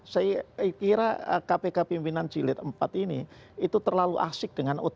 saya kira kpk pimpinan jilid empat ini itu terlalu asik dengan ott